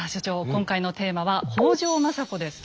今回のテーマは「北条政子」です。